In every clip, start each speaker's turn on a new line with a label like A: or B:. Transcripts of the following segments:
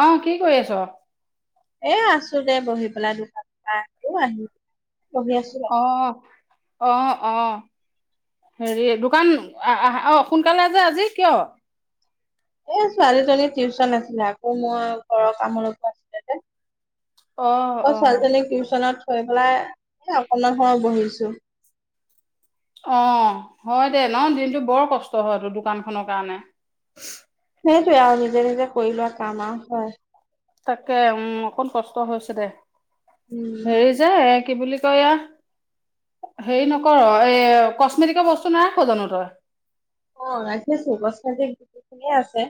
A: অ' কি কৰি আছ?
B: এ, আছোঁ দে বহি পেলাই দুটা দুটা, আকৌ আহি বহি আছোঁ।
A: অ', অ', অ'। হেৰি দোকান আ-আ, অ' সোনকালে যে আজি কিয়?
B: এ, ছোৱালীজনীৰ টিউচন আছিলে, আকৌ মই ঘৰত কাম অলপ আছিলে যে।
A: অহ
B: আকৌ
A: অহ
B: ছোৱালীজনীক টিউচনত থৈ পেলাই এ, অকনমান সময় বহিছোঁ।
A: অ' হয় দে, ন দিনতটো বৰ কষ্ট হয় তোৰ দোকান খনৰ কাৰণে।
B: সেইটোৱে আৰু নিজে, নিজে কৰি লোৱা কাম আৰু হয়।
A: তাকে উম অকন কষ্ট হৈছে, দে হেৰি
B: উম
A: যে এ কি বুলি এয়া। হেৰি নকৰ এ কস্মেটিকৰ বস্তু নাৰাখ জানো তই।
B: অ' ৰাখিছোঁ কসমেটিক্স বহুখিনিয়ে আছে।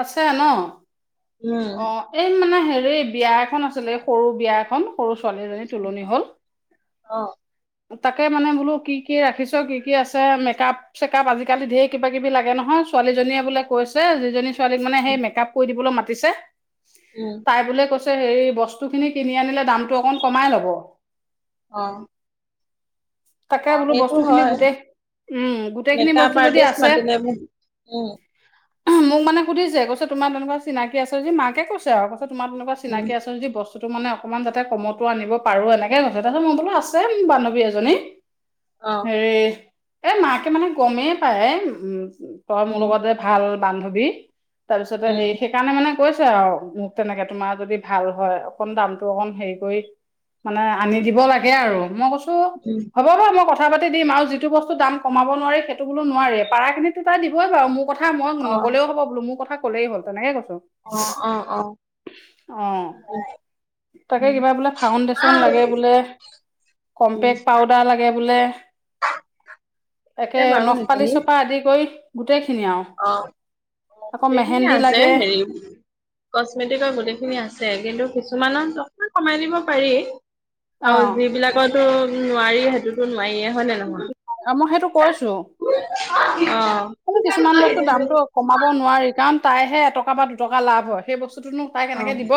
A: আছে ন?
B: উম
A: অ' এই মানে হেৰি বিয়া এখন আছিলে সৰু বিয়া এখন সৰু ছোৱালী এজনী তুলনি হ'ল।
B: অ,
A: তাকে মানে বোলো, কি কি ৰাখিছ কি কি, আছে মেকআপ? চেক আপ আজিকালি ঢেৰ কিবা কিবি লাগে নহয় ছোৱালীজনীয়ে বোলে কৈছে যিজনী? ছোৱালীক মানে সেই মেক আপ কৰি দিবলৈ মাতিছে
B: উম
A: তাই বোলে কৈ? হেৰি বস্তুখিনি কিনি আনিলে দামতটো অকন কমাই ল'ব।
B: অ,
A: তাকে
B: অ
A: বোলো
B: সেইটো
A: বস্তু খিনি,
B: হয়
A: গোটেই উম গোটেইখিনি
B: মেকআপ
A: বস্তু যদি
B: আৰ্টিষ্ট
A: আছে।
B: মাতিলে মোক। উম
A: মোক মানে সুধিছে কৈছে তোমাৰ তেনেকুৱা চিনাকী আছে যদি, মাকে কৈছে আৰু? তোমাৰ তেনেকুৱা
B: উম
A: চিনাকি আছে, যদি বস্তুটো মানে অকনমান যাতে কমতো আনিব পাৰো এনেকে কৈছে মই কৈছোঁ আ ছেম বান্ধৱী এজনী।
B: অ,
A: এ মাকে মানে গমেই পায় এ উ তই মোৰ
B: উম
A: লগতে। ভাল বান্ধৱী তাৰপিছতে
B: উম
A: হেৰি সেই সেইকাৰণে মানে কৈছে আৰু মোক তেনেকে তোমাৰ যদি ভাল হয়, অকণ দামটো অকণ হেৰি কৰি? মানে আনি
B: উম
A: দিব লাগে আৰু মই কৈছোঁ
B: উম,
A: হ'ব বাৰু মই কথা পাতি দিম আৰু যিটো বস্তু দাম কমাব নোৱাৰে, সেইটো বোলো নোৱাৰে পাৰাখিনিতো তাই দিবয়ে বাৰু মোক? কথা মই
B: অ
A: নগলেও হ'ব, বোলো মোৰ কথা ক'লেই হ'ল তেনেকে কৈছোঁ।
B: অ, অ, অ।
A: অ
B: উম।
A: তাকে কিবা বোলে, ফাউণ্ডেশচন লাগে বোলে।
B: আছে
A: কম্পেক্ট পাউডাৰ লাগে বোলে, একে
B: বাৰু
A: নখ
B: সেইখিনি
A: পালিচ পা আদি কৰি গোটেই খিনি আৰু।
B: অ
A: আকৌ
B: গোটেইখিনি
A: মেহেন্দি
B: আছে
A: লাগে
B: হেৰি? কচমেটিকৰ গোটেইখিনি আছে, কিন্তু কিছুমানত অকনমান কমাই দিব পাৰি। আৰু
A: অ'
B: যিবিলাকতো নোৱাৰি সেইটোতো নোৱাৰিয়ে হয় নে নহয়?
A: আ মই সেইটো কৈছোঁ।
B: অ,
A: কিছুমান বস্তু দামটো কমাব নোৱাৰি, কাৰণ তাইহে এটকা বা দুটকা লাভ হয়, সেই বস্তুটোনো? তাই কেনেকে দিব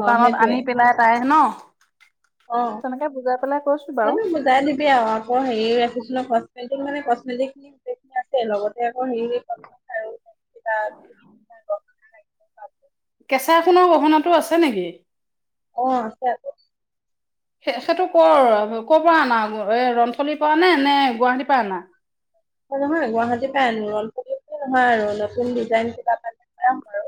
B: অ
A: দোকানত
B: সেইটোৱে
A: আনি পেলাই তাই ন।
B: অ
A: তেনেকে বুজাই পেলাই কৈছো
B: সেই
A: বাৰু
B: টো বুজাই দিবি আৰু মই হেৰি ৰাখিছোঁ নহয় কচমেটিক্স মানে কচমেটিক্স গোটেইখিনি আছে লগতে। তাতে আকৌ হেৰি খাৰু, কিতাপ
A: কেঁচা সোনৰ গহনা টো আছে নেকি?
B: অ আছে আছে।
A: সেই সেইটো ক'ৰ ক'ৰ পৰা অনা এ ৰণথলিৰ পৰা, আনে নে গুৱাহাটীৰ পৰা অনা?
B: নহয় গুৱাহাটী পৰাই আনো ৰনথলী বুলি নহয় আৰু নতুন ডিজাইন পাম আৰু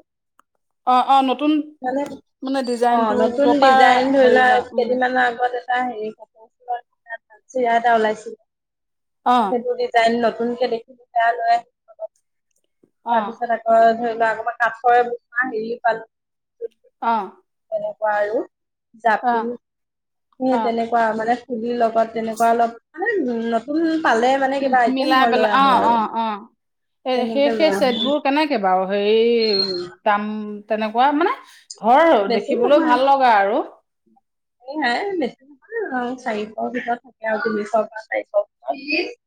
A: অ অ নতুন
B: মানে
A: মানে
B: অ
A: ডিজাইনটো
B: নতুন
A: যৰ পৰা
B: ডিজাইন ধৰি
A: হেৰি
B: লোৱা,
A: হয় উম
B: কেইদিন মানৰ আগত এটা হেৰি ক চুলৰ চিৰা এটা ওলাইছিলে।
A: অঁ।
B: সেইটো ডিজাইন নতুন কে দেখিলো সেয়া লোৱাই। তাৰ
A: অ'
B: পিছত আকৌ ধৰি লোৱা আকমান কাঠৰে হেৰি পালো।
A: অঁ।
B: এনেকুৱা আৰু, জাপি সেই
A: অ'
B: তেনেকুৱা মানে খুলি লগ তেনেকুৱা অলপ মানে উ নতুন পালে। মানে কিবা আইটেম
A: মিলাই
B: মই লৈ
A: পেলাই
B: আহো
A: অঁ
B: আৰু
A: অঁ অঁ সে সেই
B: তেনেকে লৈ
A: সেই চেট
B: আহো
A: বোৰ কেনেকে বাৰু, হেৰি দাম তেনেকুৱা মানে ঘৰ
B: বেছি
A: দেখিবলৈ ভাল লগা আৰু।
B: এই সেই বেছি নহয় চাৰিশৰ ভিতৰত থাকে আৰু তিনিশৰ পৰা চাৰিশৰ ভিতৰত।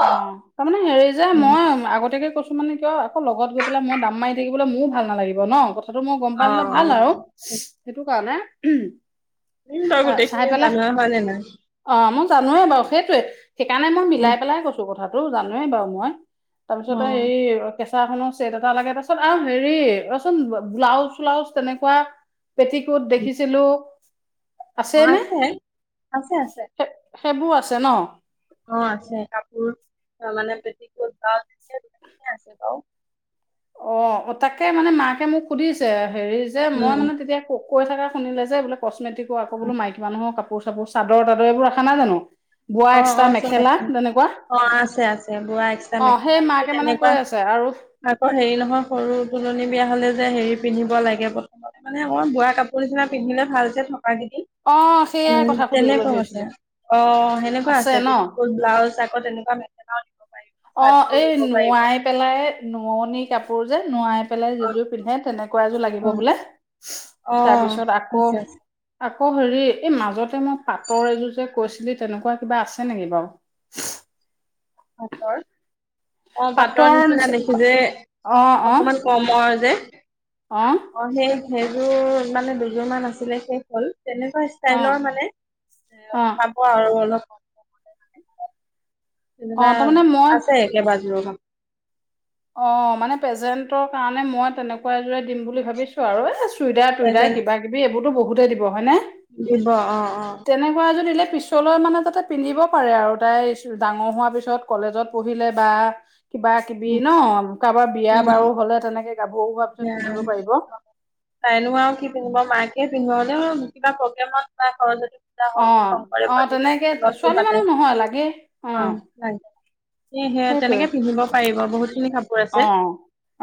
B: অ
A: অঁ তাৰ মানে হেৰি যে মই আগতীয়াকে কৈ মানে কিয় আকৌ লগত গৈ পেলাই মই দাম মাৰি থাকিবলৈ মোৰো ভাল নালাগিব ন, কথাটো মই গম
B: অ
A: পালে ভাল আৰু। সেইটো কাৰণে।
B: উম তই গোটেইখিনি জানই হয় নে নাই।
A: অঁ, মই জানোৱে বাৰু সেইটোৱে সেইকাৰণে মই
B: উম
A: মিলাই পেলাই কৈছো কথাটো জানোৱে বাৰু মই।
B: অ
A: তাৰপিছতে এই কেঁচা খনৰ ছেট এটা লাগে, তাৰপিছত আৰু হেৰি ৰচোন ব্লাউজ চলাউজ তেনেকুৱা। পেট কোত
B: উম,
A: দেখিছিলো,
B: অ
A: আছেই নে।
B: আছে আছে আছে
A: সেইবোৰ আছে ন।
B: অঁ আছে কাপোৰ অঁ মানে পেটিকোট ব্লাউজ আছে বাও।
A: অঁ, তাকে মানে মাকে মোক সুধিছে হেৰি যে মই
B: উম
A: মানে তেতিয়া ক কৈ থাকা শুনে যে বোলে কচমেটিকো আকৌ বোলো মাইকী মানুহৰ কাপোৰ চাপোৰ চাদৰ তাদৰ এইবোৰ ৰাখা নাই জানো। বোৱা
B: অঁ অঁ
A: এক্সট্ৰা মেখেলা তেনেকুৱা
B: অঁ আছে, অঁ আছে বোৱা এক্স্ৰা
A: অ' সেই
B: মেখেলা যদি
A: মাকে মানে কৈ
B: তেনেকুৱা
A: আছে আৰু
B: আকৌ হেৰি নহয় সৰু তুলনি বিয়া হলে যে, হেৰি পিন্ধিব লাগে প্ৰথমতে মানে মই বোৱা কাপোৰ নিচিনা পিন্ধিলে ভাল হৈছে থকা কেইদিন।
A: অ' সেইয়াই
B: উম
A: কথা সুধিবলৈ
B: তেনেকুৱা আছে
A: ধৰিছিলো
B: অঁ। এনেকুৱা আছে, পেটিকট ব্লাউজ আকৌ তেনেকুৱা মেখেলাও দিব পাৰিম।
A: অঁ, এই নোৱাই পেলাই নোৱনি কাপোৰ যে, নোৱাই পেলাই
B: অ
A: যিযোৰ পিন্ধে তেনেকুৱা এযোৰ লাগিব
B: অ
A: বোলে।
B: অ
A: তাৰ পিছত আকৌ
B: আছে আছে
A: আকৌ হেৰি এই মাজতে মই পাটৰ এযোৰ কৈছিলি তেনেকুৱা কিবা আছে নেকি বাও? [inaudible]
B: মোৰ ঘৰ অঁ পাটৰ নিচিনা দেখি যে
A: অ অ
B: অকমান কমৰ যে।
A: অ
B: অঁ সেই সেইযোৰ মানে দুযোৰ মান আছিলে শেষ হ'ল। তেনেকুৱা
A: অ
B: চাইলৰ মানে এ
A: অ
B: পাব আৰু অলপ।
A: অ
B: যেনিবা
A: তাৰমানে মই
B: আছে, একে বাজোৰৰ
A: অঁ, মানে প্ৰেজেন্টৰ কাৰণে মই তেনেকুৱা এযোৰে দিম বুলি ভাবিছো আৰু এ চু চইদাৰ টুইদাৰ
B: চেণ্ডেল
A: কিবা কিবি এইবোৰতো বহুতেই দিব হয়নে।
B: দিব অঁ অঁ।
A: তেনেকুৱা এযোৰ দিলে পিছলৈ মানে তাতে পিন্ধিব পাৰে আৰু তাই ডাঙৰ হোৱাৰ পিছত। কলেজত পঢ়িলে বা, কিবা কিবি
B: উম
A: ন কাৰোবাৰ বিয়া বাৰু
B: উম,
A: হলে তেনেকে গাভৰু হোৱাৰ পিছত পিন্ধিব পাৰিব।।
B: তাইনো আৰু কি পিন্ধিব মাকে পিন্ধিব কিবা প্ৰগ্ৰেমত বা ঘৰত
A: অ
B: হওঁক শংকৰ
A: অ
B: দেৱৰ
A: তেনেকে
B: তিথিয়ে হওঁক,
A: ছোৱালী
B: ইভাগে
A: মানুহ নহয় লাগে
B: অ নাই। সেয়হে
A: সেইটোৱে
B: তেনেকে পিন্ধিব পাৰিব বহুত খিনি কাপোৰ
A: অ
B: আছে,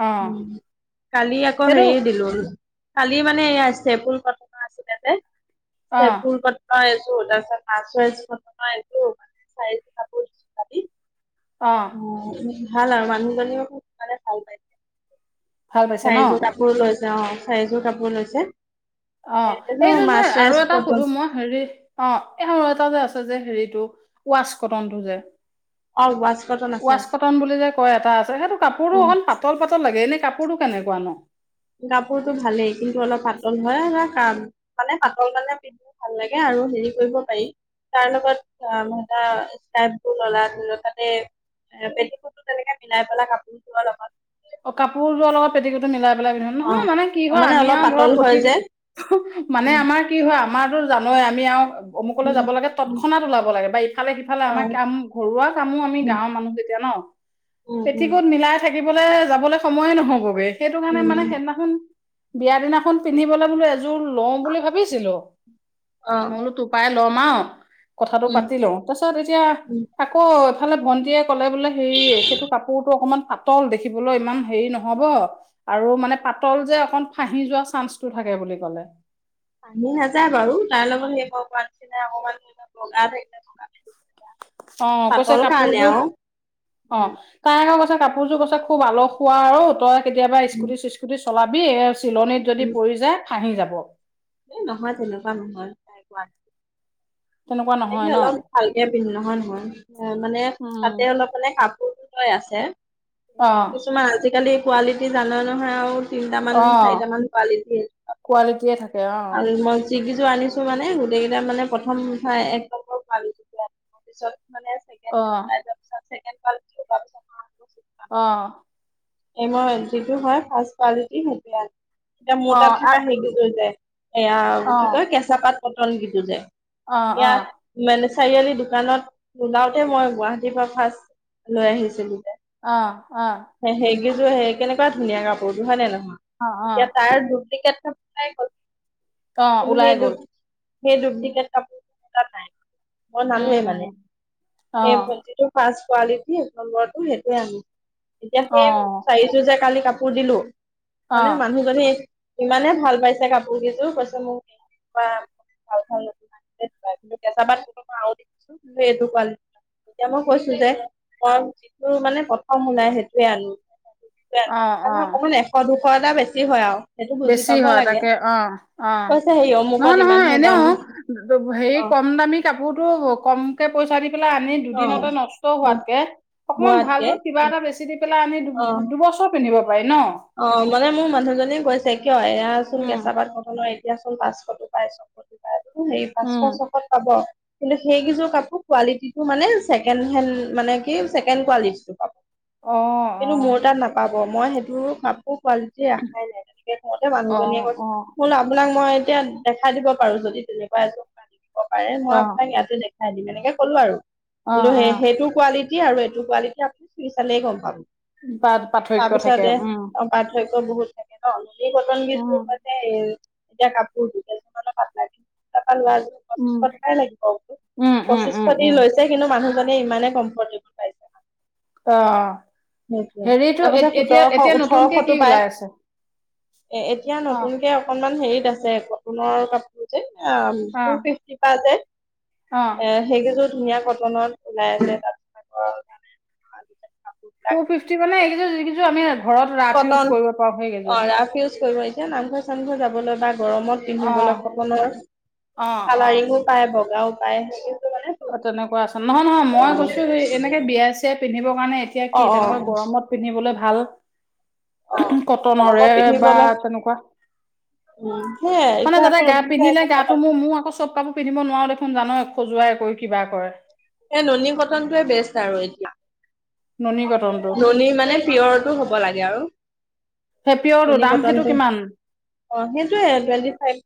A: অ
B: উ কালি আকৌ
A: এইটো
B: হেৰি দিলো কালি মানে এই ইষ্টে পুল কথনা আছিলে যে
A: অ
B: চেপুৰ ক'ত ই এযোৰ তাৰপিছত মাছ আছই ইচপতিংৰ এযোৰ মানে চাই কাপোৰ কাটি
A: অ
B: ভাল আৰু মানুহজনীও খালে ভাল পাই।
A: ভাল পাইছে ন
B: চাৰিযোৰ কাপোৰ লৈছে, অ চাৰিযোৰ কাপোৰ লৈছে।
A: অ
B: এ এইযোৰ
A: এইযোনটো
B: মাৰ্চাৰাইজ
A: আৰু এটা
B: কটন
A: সুধো মই হেৰি অঁ এই আৰু এটা যে আছে যে হেৰিটো ৱাচ কটনটো যে।
B: অ ৱাছ কটন আছে
A: ওৱাচ
B: আছে
A: কটন বুলি যে কয় এটা আছে সেইটো কাপোৰটো
B: উম
A: ইমান পা পাতল পাতল লাগে এনেই কাপোৰটো কেনেকুৱা ন?
B: কাপোৰতটো ভালেই কিন্তু অলপ পাতল হয় মানে কামৰ কাৰণে পিন্ধ ভাল লাগে আৰু হেৰি কৰিব পাৰি। তাৰ লগতই এ [unintelligible] ষ্ট্পোৰ ললা ধৰ তাতে এ পেটিকোট টো তেনেকে মিলাই পেলাই কাপোৰটোৰৰ লগত
A: অ কাপোৰৰ তলত পেটিকতো মিলাই পেলাই
B: অ
A: নহয় মানে কি
B: অ
A: হয়
B: মানে
A: আমি
B: অলপ
A: আৰু ধৰ
B: পাতল হয়
A: প্ৰতি
B: যে
A: মানে
B: উম
A: আমাৰ কি হয় আমাৰো জানয়ে আমি আৰু অমুকলৈ
B: উম
A: যাব লাগে
B: উম
A: তৎক্ষণাত ওলাব লাগে বা ইফালে সিফালে
B: অ
A: আমাৰ কাম ঘৰুৱা কামো আমি
B: উম
A: গাঁৱৰ মানুহ যেতিয়া ন
B: উম
A: পেটিকোত মিলাই থাকিবলৈ যাবলৈ সময়ে নহবগে সেইটো কাৰণে
B: উম
A: মানে
B: উম
A: সেইদিনাখন বিয়া দিনাখন পিন্ধিবলৈ বোলো এযোৰ লওঁ বুলি ভাবিছিলোঁ।
B: অ
A: মই বোলো পাই ল'ম আৰু কথাটো
B: উম,
A: পাতি লওঁ তাৰ পিছত এতিয়া
B: উম,
A: আকৌ এফালে ভন্টিয়ে কলে বোলে হে সেইটো কাপোৰতটো অকমান পাতল দেখিবলৈ ইমান হেৰি নহ'ব। আৰু মানে পাতল যে অক ফাহি যোৱা চান্সটো থাকে বুলি ক'লে।
B: পানী নাযায় বাৰু তাৰ লগত সেইব পানছিলে অকনমান বগা থাকিলে
A: অঁ কৈছে
B: পাতল কাৰণে
A: কাপোৰযোৰ
B: আৰু
A: অঁ
B: উম,
A: তাই কৈছে কাপোৰযোৰ কছে খুব আলহ খোৱা আৰু তই কেতিয়াবা
B: উম,
A: স্কুটি চিস্কুটি চলাবি এই চিলনীত যদি পৰি যায় ফাঁহি যাব।
B: এ নহয় তেনেকুৱা নহয়। তাই কোৱা
A: তেনেকুৱা
B: মানে
A: নহয়
B: কি
A: ন
B: অলপ ভালকে পিন্ধিলো নহয় নহয় মানে
A: উম
B: তাতে অলপ মানে কাপোৰ লৈ আছে
A: অ
B: কিছুমান আজিকালি কোৱালিটি জানই নহয় আৰু তিনটামান
A: অ
B: চাৰিট মান কোৱালিটি কাপোৰৰ
A: কোৱালিটিয়ে থাকে অ
B: আৰু মই গোটেই কেযোৰ আনিছোঁ মানে গোটেইকেইটা মানে প্ৰথম এক ভাল দিয়া। পিছত মানে চাগে
A: অঁ
B: ছেকেণ্ড কল
A: অঁ
B: এই মই যিটো হয় ফাষ্ট কোৱালিটি সেইটো এতিয়া মোৰ
A: অ
B: তাত থকা হেক হৈ যায়। এয়া
A: অ
B: কি
A: অ
B: কয়, কেঁচা পাত পটন যিটো যে
A: অ অ
B: ইয়াত- মানে চাৰিআলি দোকানত ওলাওতে মই গুৱাহাটীৰ পৰা ফাৰ্ষ্ট লৈ আহিছিলো যে।
A: অঁ', -অঁ',।
B: সেইকেযোৰ সেই কেনেকুৱা ধুনীয়া কাপোৰযোৰ হয় নে
A: অ
B: নহয়। এতিয়া তাৰ ডুপ্লিকেট- ওলাই গ'ল
A: অ অ
B: কিন্তু
A: ওলাই
B: সেই
A: গ'ল
B: ডুপ্লিকেট, সেই ডুপ্লিকেট দি কাপোৰ এটা নাই। মই
A: উম
B: নানোৱে
A: উম
B: মানে,
A: অ
B: সেই যিটো ফাৰ্ষ্ট কোৱালিটি, এক নম্বৰটো সেইটো আনো। এতিয়া
A: অ
B: সেই চাৰিটো যে কালি কাপোৰ দিলো,
A: অ
B: মানে মানুহজনী ইমানে ভাল পাইছে, কাপোৰ কেইযোৰ কৈছে মোক ভাল, ভাল, [inaudible] সেইটো কোৱালেটি। এতিয়া মই কৈছো যে, মই যিটো মানে প্ৰথম ওলাই সেইটো
A: অ
B: [inaudible]
A: অ
B: মানে অকমান এশ, দুশ এটা বেছি হয় আৰু। সেইটো বুজি
A: বেছি
B: পাব
A: হয়,
B: লাগে
A: তাকে অ, অ,
B: কৈছে হেৰি অমুকত
A: নহয় নহয়
B: ইমানহে
A: এনেও
B: দাম
A: হেৰি
B: অ',
A: কম দামী কাপোৰতটো, কমকে পইচা দি পেলাই আনি
B: অ',
A: এদিনতে নষ্ট
B: অ',
A: হোৱাতকে, অকমান
B: হোৱাতকে
A: ভালটো কিবা এটা বেছি দি পেলে আনি
B: অ',
A: দুবছৰ পিন্ধিব পাৰি ন?
B: অ, মানে মোৰ মানুহজনী কৈছে, কিয় এয়া চোন
A: উম
B: কেঁচা পাত কটনয়েই এতিয়া চোন পাঁচশটো পাই, ছশটো পায়, বোলো হেই পাঁচশ,
A: উম
B: ছশত পাব। কিন্তু সেইকেইযোৰ কাপোৰ কোৱালিটিটো মানে ছেকেণ্ডহেণ্ড মানে কি ছেকেণ্ড কোৱালিটিটো কা
A: অ
B: কিন্তু মোৰ তাত নাপাব, মই সেইটো কাপোৰ কোৱালিটি ৰাখাই নাই, তেনেকে কওঁতে
A: অ অ
B: মানুহজনীয়ে কৈছে বোলো আপোনাক মই এতিয়া দেখাই দিব পাৰো, যদি তেনেকুৱা এযোৰ আন দিব পাৰে, মই
A: অ অ
B: আপোনাক ইয়াতে দেখাই দিম এনেকে কলো আৰু।
A: অ
B: কিন্তু
A: অ
B: হেই, হেইটো কোৱালিটি আৰু এইটো কোৱালিটি আপুনি চুই চালে গম পাব।
A: পাৰ্থক্য থাকে
B: তাৰপিছতে
A: উম
B: পাৰ্থক্য বহুত থাকে ন, এচি
A: উম
B: কটনকিযোৰ এতিয়া, কাপোৰ [unintelligible] পঁচিশ
A: উম
B: টকাই লাগিব,
A: উম, উম,
B: পঁচিশ
A: উম,
B: দি
A: উম,
B: লৈছে কিন্তু মানুহজীয়ে ইমানেই কমফৰ্টে
A: অ,
B: হেইটোয়েই,
A: হেৰিটো
B: তাৰপিছে
A: এত- এতিয়া
B: সোতৰশ
A: এতিয়া নতুনকে কি
B: ওঠৰশটো পায়।
A: ওলাই আছে?
B: এতিয়া
A: অ',
B: নতুনকে অকনমান হেৰিত আছে, কটনৰ কাপোৰ যে,
A: অ',
B: টু ফিফটিৰ পৰা যে
A: অ,
B: এই, সেই কিযোৰ ধুনীয়া কটনত ওলাই আছে, তাত অ,
A: টু, ফিফটি মানে এই কেইযোৰ আমি ঘৰত ৰাফ
B: কটন
A: ইউজ কৰিব পাৰো।
B: অ,
A: সেইকেইযোৰ।
B: ৰাফ ইউজ কৰিব, এতিয়া নামঘৰ-চামঘৰ যাবলৈ বা গৰমত
A: অ',
B: পিন্ধিবলৈ কটনৰ
A: অ, অ'।
B: কালাৰিংও পায়, বগাও পায়, সেই কিযোৰ মানে টু
A: অ,
B: ফিফটি
A: তেনেকুৱা আছে নহয়, নহয়,
B: অ
A: মই কৈছো এনেকে বিয়া চিয়াই পিন্ধিবৰ কাৰণে এতিয়া কি
B: অ
A: তেনেকুৱা গৰমত পিন্ধিবলে ভাল,
B: অ অ এই
A: কটনৰে
B: গৰমত
A: বা
B: পিন্ধিবলৈ
A: তেনেকুৱা
B: উম সেয়াই
A: মানে
B: এতিয়া
A: যাতে
B: আকৌ
A: গাত
B: নতুনকে
A: পিন্ধিলে, গাটো
B: এতিয়া
A: মোৰ, মোৰ আকৌ চব কাপোৰ পিন্ধিব নোৱাৰো দেখোন জানই খজুৱাই কৈ কিবা কৰে।
B: এ, ননী কটনটোৱে বেষ্ট আৰু এতিয়া।
A: ননী কটন।
B: ননী মানে পিয়ৰটো হ'ব লাগে আৰু
A: সেই পিয়ৰটো
B: ননী
A: দাম সেইটো
B: কটনটো
A: কিমান?
B: অ, সেইটোৱে twenty five,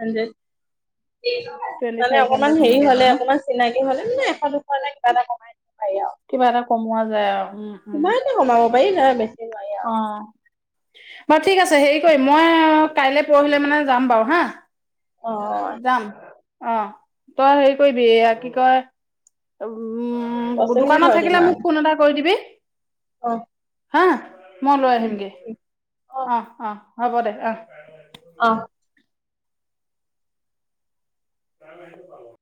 B: thousand.
A: Twenty five
B: মানে
A: হাণ্ড্ৰেড
B: অকমান হেৰি
A: সেনেকে হয়
B: হ'লে,
A: ন?
B: অকমান চিনাকি হ'লে মানে এশ, দুশৰ কিবা এটা কমাই দিব পাৰি আৰু।
A: কিবা এটা কমোৱা যায় আৰু উম, উম।
B: কিমানো কমাব পাৰি, নে বেছি নোৱাৰি
A: অ,
B: আৰু
A: বাৰু ঠিক আছে, হেৰি কৰিম মই কাইলৈ, পুৰহিলৈ মানে যাম বাৰু হা।
B: অ
A: যাম। অ', তই হেৰি কৰিবি, এয়া কি কয়, উম উম,
B: বস্তুখিনি
A: দোকানত
B: থৈ দিম
A: থাকিলে
B: আৰু
A: মোক ফোন এটা কৰি দিবি।
B: [unintelligible]
A: হা, মই লৈ
B: উম
A: আহিমগে।
B: উম,
A: অ', অ', হ'ব দে অ'।
B: অ'।
A: [unintelligible]